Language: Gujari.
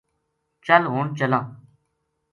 چل ہن چلاں‘‘